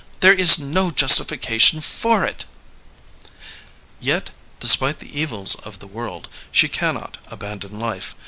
There is no justification for it !'' Yet, despite the evils of the world, she cannot abandon life.